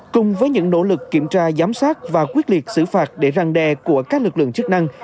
cùng với những nỗ lực kiểm tra giám sát và quyết liệt xử phạt để răng đe của các lực lượng chức năng